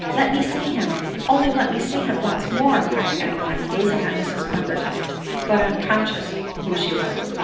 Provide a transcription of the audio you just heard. " Let me see him ! only let me see him once more !" cried "Adeline, gazing on Mrs Pemberton, but unconscious who she was.